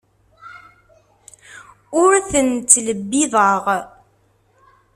Ur ten-ttlebbiḍeɣ.